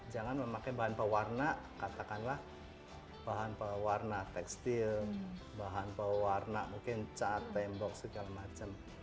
jangan memakai bahan pewarna katakanlah bahan pewarna tekstil bahan pewarna mungkin cat tembok segala macam